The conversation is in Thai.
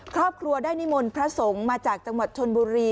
ครอบครัวได้นิมนต์พระสงฆ์มาจากจังหวัดชนบุรี